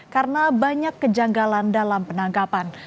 karena banyak kejanggalan dalam penangkapan